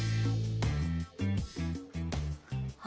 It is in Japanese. あ！